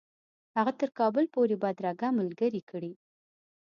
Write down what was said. هغه تر کابل پوري بدرګه ملګرې کړي.